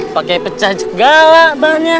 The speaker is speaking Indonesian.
pakai pencabang segala banyak